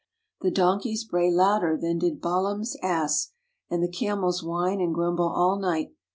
The donkeys bray louder than did Balaam's ass, and the camels whine and grumble all night.